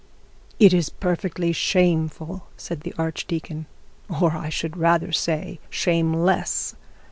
'It is perfectly shameful,' said the archdeacon; 'or I should rather say, shameless.